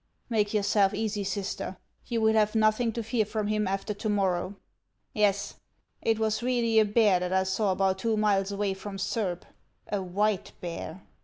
" "Make yourself easy, sister; you will have nothing to fear from him after to morrow. Yes, it was really a bear that I saw about two miles away from Surb, — a white bear.